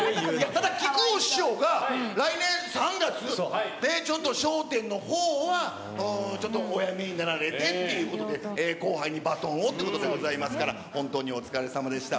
ただ、木久扇師匠が来年３月でちょっと笑点のほうは、ちょっとおやめになられてということで、後輩にバトンをっていうことでございますから、本当にお疲れさまでした。